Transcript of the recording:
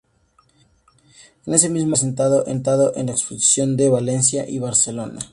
En ese mismo año fue presentado en las exposiciones de Valencia y Barcelona.